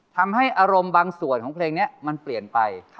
ทำให้อารมณ์บางส่วนของเพลงนี้มันเปลี่ยนไป